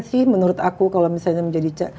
sih menurut aku kalau misalnya menjadi